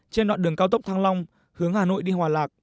trên đoạn đường cao tốc thăng long hướng hà nội đi hòa lạc